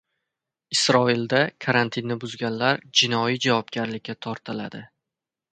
Isroilda karantinni buzganlar jinoiy javobgarlikka tortiladi